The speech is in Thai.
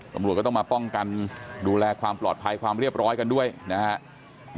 ตำรวจก็ต้องมาป้องกันดูแลความปลอดภัยความเรียบร้อยกันด้วยนะครับ